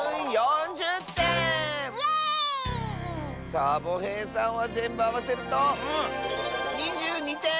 サボへいさんはぜんぶあわせると２２てん！